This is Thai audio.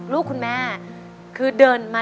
ลูกคุณแม่คือเดินมา